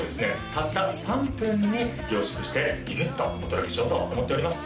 たった３分に凝縮してギュギュッとお届けしようと思っております